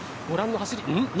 ご覧の走り